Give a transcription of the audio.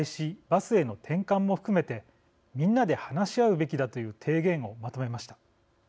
バスへの転換も含めてみんなで話し合うべきだという提言をまとめました。